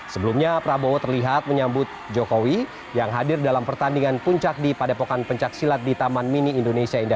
sebelumnya prabowo terlihat menyambut jokowi yang hadir dalam pertandingan puncak di padepokan pencaksilat di taman mini indonesia indah